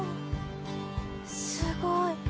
すごい。